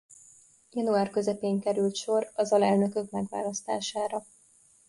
Január közepén került sor az alelnökök megválasztására.